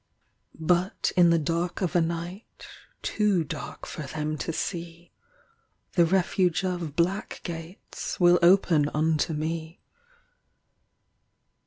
But in the dark of a night, Too dark for them to see, The refuge of black gates Will open unto me.